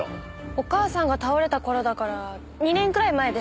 お母さんが倒れた頃だから２年くらい前です。